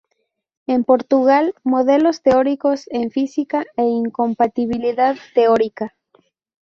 En Portugal: "Modelos Teóricos en Física e Incompatibilidad Teórica.